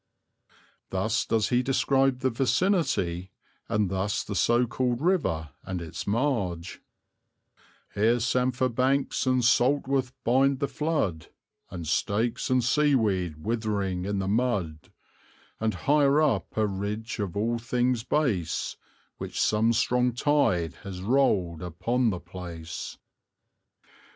Thus does he describe the vicinity and thus the so called river and its marge: Here samphire banks and saltworth bind the flood, And stakes and seaweed withering in the mud; And higher up a ridge of all things base, Which some strong tide has rolled upon the place.